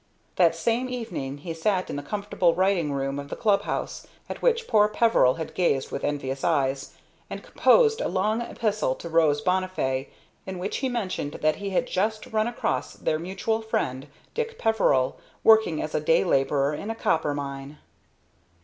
That same evening he sat in the comfortable writing room of the club house at which poor Peveril had gazed with envious eyes and composed a long epistle to Rose Bonnifay, in which he mentioned that he had just run across their mutual friend, Dick Peveril, working as a day laborer in a copper mine.